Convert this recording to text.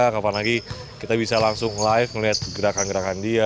kapan lagi kita bisa langsung live melihat gerakan gerakan dia